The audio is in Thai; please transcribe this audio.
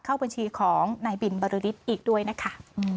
เข้าบัญชีของนายบินบริษฐ์อีกด้วยนะคะ